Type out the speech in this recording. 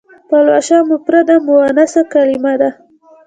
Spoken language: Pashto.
پلوشه مفرده مونثه کلمه ده.